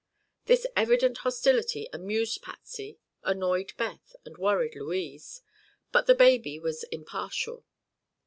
This evident hostility amused Patsy, annoyed Beth and worried Louise; but the baby was impartial.